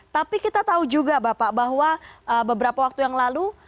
tapi kita tahu juga bapak bahwa beberapa waktu yang lalu